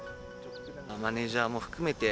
マネージャーも含めて、